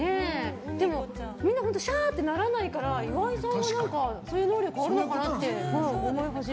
でも、みんな本当シャーってならないから岩井さんが、そういう能力あるのかなって思い始めた。